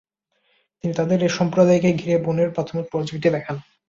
তিনি তাদেরকে এ সম্প্রদায়কে ঘিরে বনের প্রাথমিক পর্যায়টি দেখান।